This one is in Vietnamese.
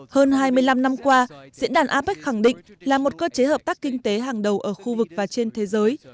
hơn hai mươi năm năm qua diễn đàn apec khẳng định là một cơ chế hợp tác kinh tế hàng đầu ở khu vực và trên thế giới